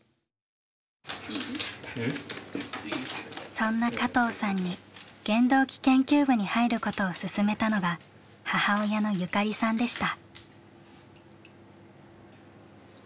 そんな加藤さんに原動機研究部に入ることをすすめたのが母親の友香里さんでした。